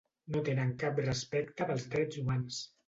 No tenen cap respecte pels drets humans.